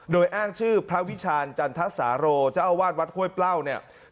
โดยอ้างชื่อพระวิชาณจันทสาโรเจ้าอาวาสวัดห้วยเปล้าเนี่ย